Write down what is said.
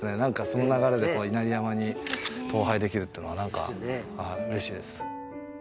その流れで稲荷山に登拝できるっていうのは何かはい嬉しいです